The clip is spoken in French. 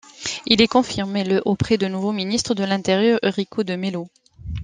Il est confirmé le auprès du nouveau ministre de l'Intérieur, Eurico de Melo.